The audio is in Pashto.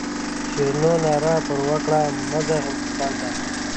شیرینو ناره پر وکړه مه ځه هندوستان ته.